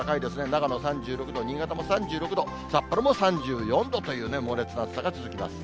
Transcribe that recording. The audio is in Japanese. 長野３６度、新潟も３６度、札幌も３４度という猛烈な暑さが続きます。